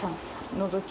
のぞきに。